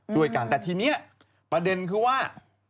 กันแต่ทีนี้ประเด็นคือว่า